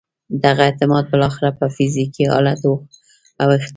دغه اعتقاد بالاخره پر فزیکي حالت اوښتی دی